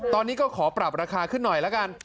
ตอนนี้ก็ขอปรับราคาขึ้นหน่อยละกัน